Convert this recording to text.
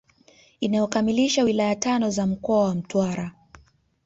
Inayokamilisha wilaya tano za mkoa wa Mtwara